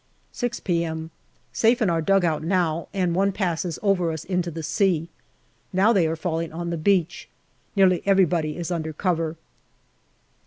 6 p.m. Safe in our dugout now, and one passes over us into the sea. Now they are falling on the beach. Nearly everybody is under cover.